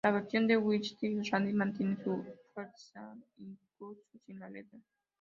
La versión de ""White Rabbit"" mantiene su fuerza incluso sin la letra.